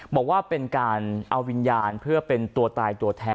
บอกว่าเป็นการเอาวิญญาณเพื่อเป็นตัวตายตัวแทน